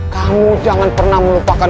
kamu jangan pernah melupakan